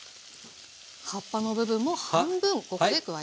葉っぱの部分も半分ここで加えていきます。